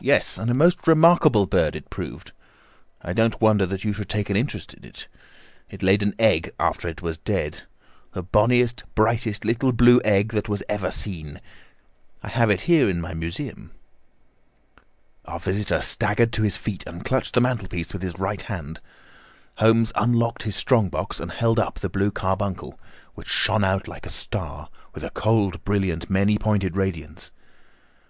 "Yes, and a most remarkable bird it proved. I don't wonder that you should take an interest in it. It laid an egg after it was dead—the bonniest, brightest little blue egg that ever was seen. I have it here in my museum." Our visitor staggered to his feet and clutched the mantelpiece with his right hand. Holmes unlocked his strong box and held up the blue carbuncle, which shone out like a star, with a cold, brilliant, many pointed radiance.